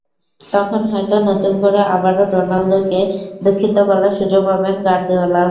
তখন হয়তো নতুন করে আবারও রোনালদোকে দুঃখিত বলার সুযোগ পাবেন গার্দিওলা।